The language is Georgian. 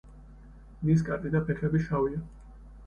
ნისკარტი და ფეხები შავია.